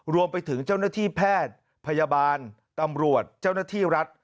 รวมไปถึงเจ้าหน้าที่แพทย์พยาบาลตำรวจเจ้าหน้าที่รัฐ